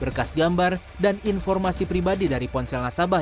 berkas gambar dan informasi pribadi dari ponsel nasabah